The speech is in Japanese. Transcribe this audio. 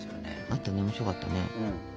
あったね面白かったね。